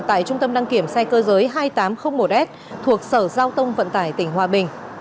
tại trung tâm đăng kiểm xe cơ giới hai nghìn tám trăm linh một s thuộc sở giao tông vận tải tp hcm